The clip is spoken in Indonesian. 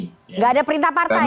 nggak ada perintah parta ya